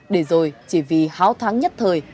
để rồi chỉ vì háo tháng nhất thời